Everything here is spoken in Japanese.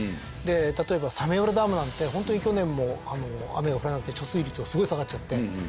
例えば早明浦ダムなんてホントに去年も雨が降らなくて貯水率がすごい下がっちゃって。